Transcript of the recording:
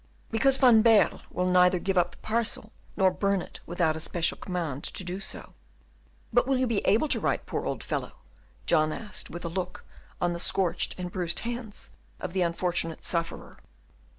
"Because Van Baerle will neither give up the parcel nor burn it without a special command to do so." "But will you be able to write, poor old fellow?" John asked, with a look on the scorched and bruised hands of the unfortunate sufferer.